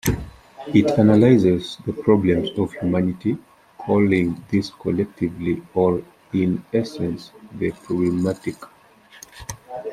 It analyses the problems of humanity, calling these collectively or in essence the 'problematique'.